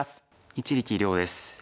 一力遼です。